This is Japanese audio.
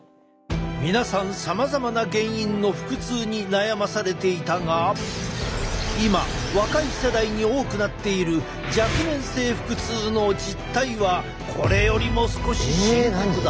皆さんさまざまな原因の腹痛に悩まされていたが今若い世代に多くなっている若年性腹痛の実態はこれよりも少し深刻だ。